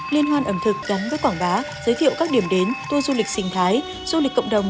liên hoan ẩm thực gắn với quảng bá giới thiệu các điểm đến tour du lịch sinh thái du lịch cộng đồng